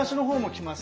きます！